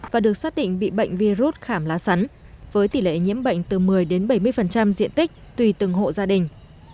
và được xác định bị bệnh virus khảm lá sắn với tỷ lệ nhiễm bệnh từ một mươi đến bảy mươi diện tích tùy từng hộ gia đình